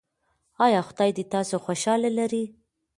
ایا خدای دې تاسو خوشحاله لري؟